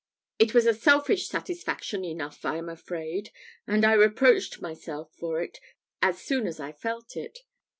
It was a selfish satisfaction enough, I am afraid, and I reproached myself for it as soon as I felt it.